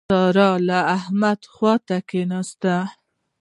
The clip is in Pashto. سارا له احمده خوټې وکښې.